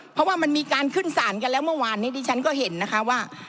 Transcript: เพราะว่ามันมีการขึ้นสารกันแล้วเมื่อวานนี้ดิฉันก็เห็นนะคะว่า